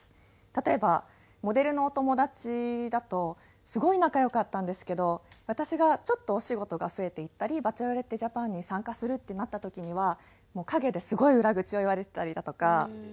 例えばモデルのお友達だとすごい仲良かったんですけど私がちょっとお仕事が増えていったり『バチェロレッテ・ジャパン』に参加するってなった時にはもう陰ですごい裏口を言われてたりだとか。